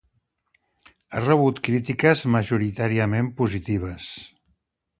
Ha rebut crítiques majoritàriament positives.